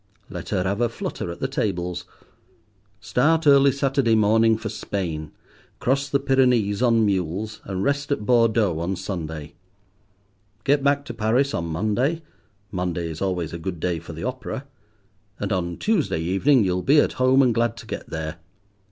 Let her have a flutter at the tables. Start early Saturday morning for Spain, cross the Pyrenees on mules, and rest at Bordeaux on Sunday. Get back to Paris on Monday (Monday is always a good day for the opera), and on Tuesday evening you will be at home, and glad to get there.